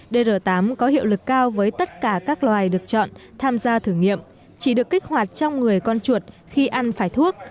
dr tám có hiệu lực cao với tất cả các loài được chọn tham gia thử nghiệm chỉ được kích hoạt trong người con chuột khi ăn phải thuốc